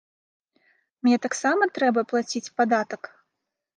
Мне таксама трэба плаціць падатак?